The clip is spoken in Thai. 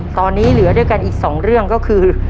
ตอนนี้เหลือด้วยกันอีก๒เรื่องก็คือ